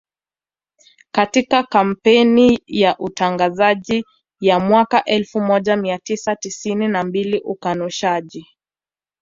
Katika kampeni ya utangazaji ya mwaka elfu moja mia tisa tisini na mbili ukanushaji